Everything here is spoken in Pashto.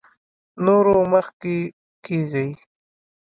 نورو مخکې کېږي.